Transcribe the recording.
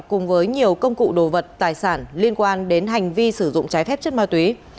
cùng với nhiều công cụ đồ vật tài sản liên quan đến hành vi sử dụng trái phép chất ma túy